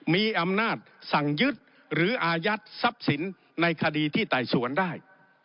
มีอำนาจสั่งยึดหรืออายัดทรัพย์สินในคดีที่ไต่สวนได้